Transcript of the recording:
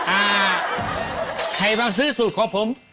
อ่าใครมาซื้อสูตรของผม